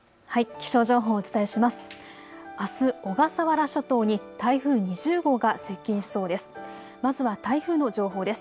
気象情報をお伝えします。